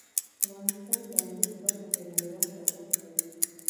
افغانستان د انګور په برخه کې نړیوال شهرت لري.